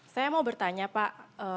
saya mau bertanya pak